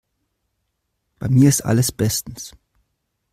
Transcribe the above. Bei mir ist alles bestens.